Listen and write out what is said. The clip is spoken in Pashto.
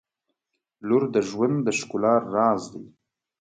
• لور د ژوند د ښکلا راز دی.